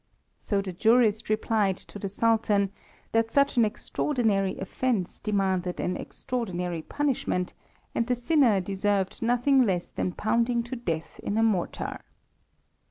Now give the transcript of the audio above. So the jurist replied to the Sultan that such an extraordinary offence demanded an extraordinary punishment, and the sinner deserved nothing less than pounding to death in a mortar.